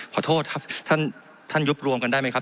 ขอโทษครับท่านยุบรวมกันได้ไหมครับ